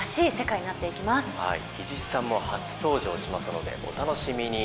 伊地知さんも初登場しますのでお楽しみに。